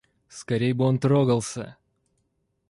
Скорей бы он трогался!